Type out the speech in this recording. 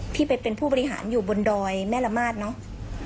ไปเป็นผู้บริหารอยู่บนดอยแม่ละมาดเนอะ